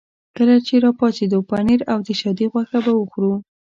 کله چې را پاڅېدو پنیر او د شادي غوښه به وخورو.